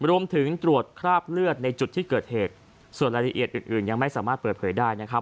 รวมถึงตรวจคราบเลือดในจุดที่เกิดเหตุส่วนรายละเอียดอื่นยังไม่สามารถเปิดเผยได้นะครับ